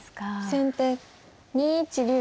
先手２一竜。